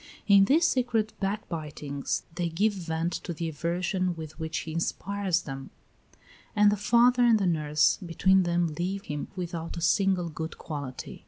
In these secret backbitings they give vent to the aversion with which he inspires them; and the father and the nurse between them leave him without a single good quality.